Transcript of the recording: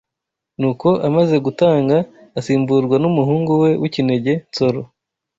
Nuko amaze gutanga asimburwa n’umuhungu we w’ikinege Nsoro